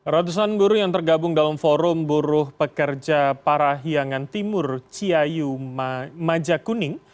ratusan guru yang tergabung dalam forum buruh pekerja para hiangan timur ciayu majakuning